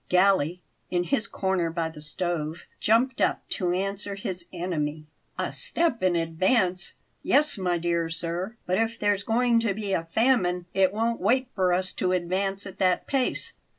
Galli, in his corner by the stove, jumped up to answer his enemy. "A step in advance yes, my dear sir; but if there's going to be a famine, it won't wait for us to advance at that pace.